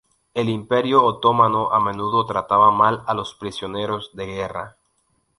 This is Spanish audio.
El Imperio Otomano a menudo trataba mal a los prisioneros de guerra.